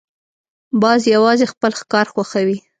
باز یوازې خپل ښکار خوښوي